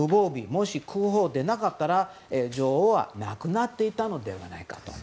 もし空砲でなかったら女王は亡くなっていたのではないかと。